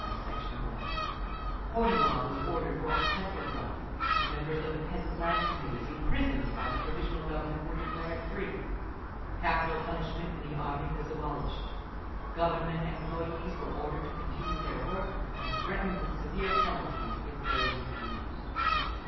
V, Sect. 1)… Kornilov was ordered brought to Petrograd. Members of the Peasant Land Committees imprisoned by the Provisional Government were declared free. Capital punishment in the army was abolished. Government employees were ordered to continue their work, and threatened with severe penalties if they refused.